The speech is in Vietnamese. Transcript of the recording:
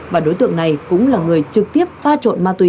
và đối tượng này cũng là người trực tiếp pha trộn ma túy